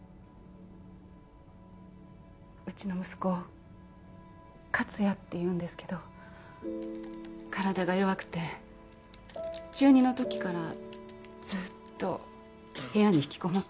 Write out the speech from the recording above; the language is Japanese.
うちの息子克哉っていうんですけど体が弱くて中２のときからずっと部屋に引きこもっていて。